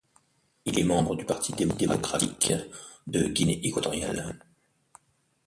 Il est membre du Parti démocratique de Guinée équatoriale.